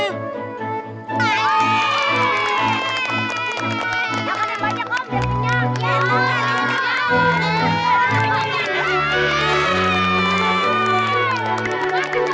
makanannya banyak om